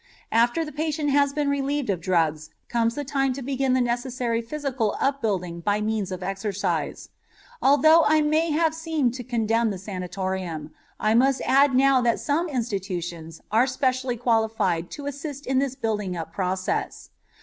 After the patient has been relieved of drugs comes the time to begin the necessary physical upbuilding by means of exercise. Although I may have seemed to condemn the sanatorium, I must add now that some institutions are specially qualified to assist in this building up process.